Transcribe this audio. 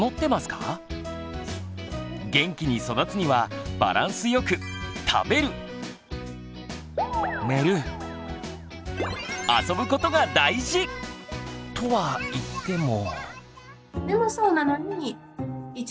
元気に育つにはバランスよくことが大事！とはいっても。